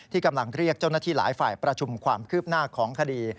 กำลังเรียกเจ้าหน้าที่หลายฝ่ายประชุมความคืบหน้าของคดี